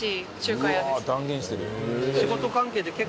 断言してる。